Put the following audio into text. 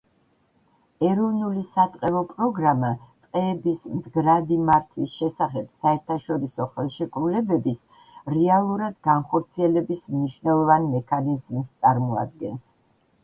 ეროვნული სატყეო პროგრამა ტყეების მდგრადი მართვის შესახებ საერთაშორისო ხელშეკრულებების რეალურად განხორციელების მნიშვნელოვან მექანიზმს წარმოადგენს.